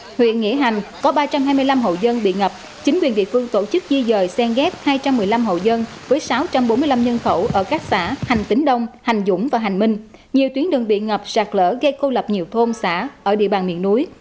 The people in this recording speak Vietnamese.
huyện nghĩa hành có ba trăm hai mươi năm hộ dân bị ngập chính quyền địa phương tổ chức di dời sen ghép hai trăm một mươi năm hộ dân với sáu trăm bốn mươi năm nhân khẩu ở các xã hành tính đông hành dũng và hành minh nhiều tuyến đường bị ngập sạt lở gây cô lập nhiều thôn xã ở địa bàn miền núi